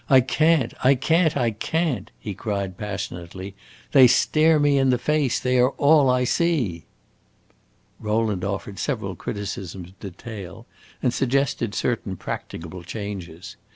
I can't I can't I can't!" he cried passionately. "They stare me in the face they are all I see!" Rowland offered several criticisms of detail, and suggested certain practicable changes.